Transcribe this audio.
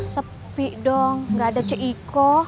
sepik dong gak ada ce iko